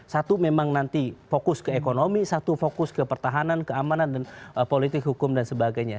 satu memang nanti fokus ke ekonomi satu fokus ke pertahanan keamanan politik hukum dan sebagainya